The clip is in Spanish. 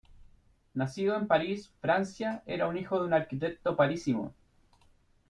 Nacido en París, Francia, era hijo de un arquitecto parisino.